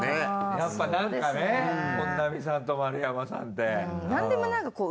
やっぱなんかね本並さんと丸山さんって。